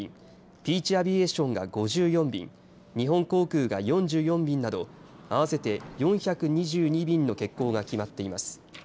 ピーチ・アビエーションが５４便日本航空が４４便など合わせて４２２便の欠航が決まっています。